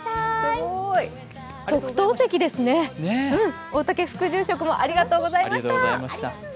すごーい、特等席ですね大嶽副住職もありがとうございました。